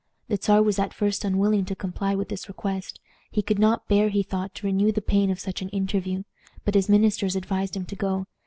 The Czar was at first unwilling to comply with this request. He could not bear, he thought, to renew the pain of such an interview. But his ministers advised him to go.